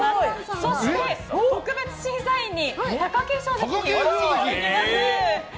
そして特別審査員に貴景勝関にいらしていただきます。